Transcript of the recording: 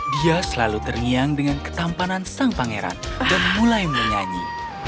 dia selalu terngiang dengan ketampanan sang pangeran dan mulai menyanyi